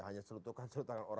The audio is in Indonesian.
hanya celutukan celutukan orang saja